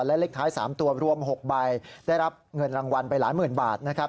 และเลขท้าย๓ตัวรวม๖ใบได้รับเงินรางวัลไปหลายหมื่นบาทนะครับ